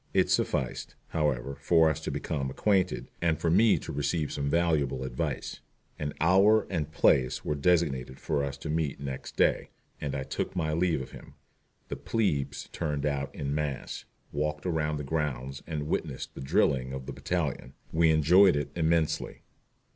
It sufficed, however, for us to become acquainted, and for me to receive some valuable advice. An hour and place were designated for us to meet next day, and I took my leave of him. The "plebes" turned out en masse, walked around the grounds and witnessed the drilling of the battalion. We enjoyed it immensely.